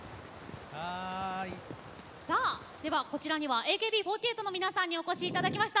こちらにはＡＫＢ４８の皆さんにお越しいただきました。